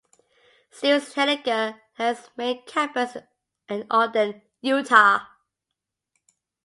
Stevens-Henager has its main campus in Ogden, Utah.